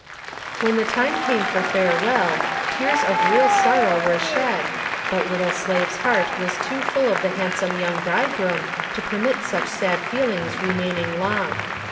When the time came for farewell, tears of real sorrow were shed, but little Slave's heart was too full of the handsome young bridegroom to permit such sad feelings remaining long.